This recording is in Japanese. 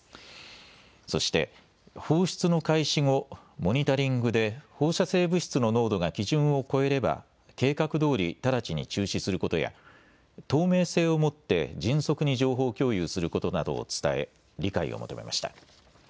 そして放出の開始後、モニタリングで放射性物質の濃度が基準を超えれば計画どおり直ちに中止することや透明性を持って迅速に情報共有することなどを伝え理解を求めました。